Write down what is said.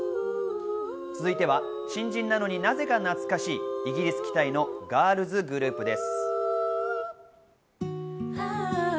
続いては新人なのに、なぜか懐かしいイギリス期待のガールズグループです。